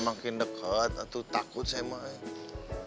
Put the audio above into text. makin dekat atuh takut saya mas